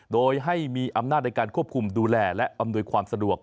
โดยให้มีอำนาจในการควบคุมดูแลและอำนวยความสะดวก